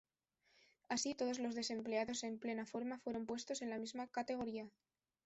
Así, todos los desempleados en plena forma fueron puestos en la misma categoría.